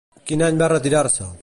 Quin any va retirar-se?